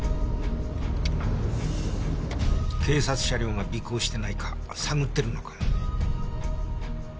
警察車両が尾行してないか探ってるのかも。